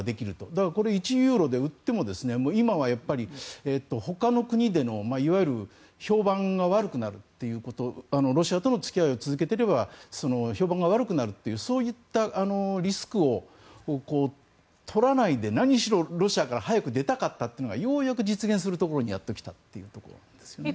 ですから、１ユーロで売っても今は、ほかの国でのいわゆる評判が悪くなるロシアとの付き合いを続けていれば評判が悪くなるというそういったリスクを取らないで何しろ、ロシアから早く出たかったというのがようやく実現するところにやっと来たと。